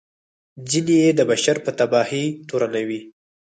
ځینې یې د بشر په تباهي تورنوي.